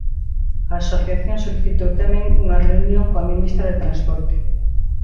A asociación solicitou tamén unha reunión coa ministra de Transporte.